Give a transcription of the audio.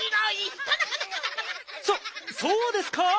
そっそうですか？